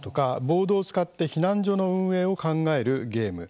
ボードを使って避難所の運営方法を考えるゲーム